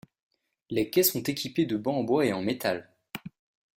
Les quais sont équipés de bancs en bois et en métal.